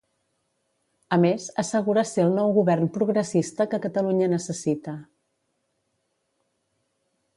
A més, assegura ser el nou govern progressista que Catalunya necessita.